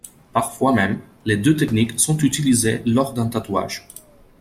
Parfois, même, les deux techniques sont utilisées lors d’un tatouage.